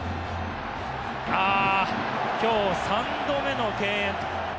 今日３度目の敬遠。